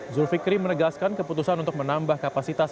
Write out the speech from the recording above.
zul fikri menegaskan keputusan untuk menambah kapasitas